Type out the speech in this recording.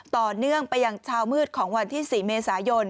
ต่อเนื่องไปยังเช้ามืดของวันที่๔เมษายน